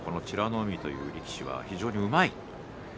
海という力士は非常にうまい。